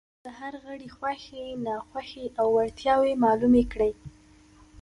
د هر غړي خوښې، ناخوښې او وړتیاوې معلومې کړئ.